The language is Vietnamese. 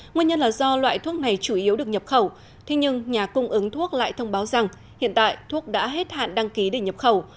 nguyên nhân là do loại thuốc này chủ yếu được nhập khẩu thế nhưng nhà cung ứng thuốc lại thông báo rằng hiện tại thuốc đã hết hạn đăng ký để nhập khẩu